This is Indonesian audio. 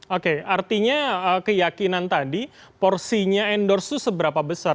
oke artinya keyakinan tadi porsinya endorse itu seberapa besar